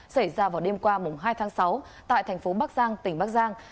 xảy ra vào đêm qua hai tháng sáu tại thành phố bắc giang tỉnh bắc giang